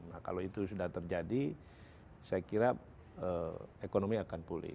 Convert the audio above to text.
nah kalau itu sudah terjadi saya kira ekonomi akan pulih